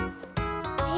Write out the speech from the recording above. え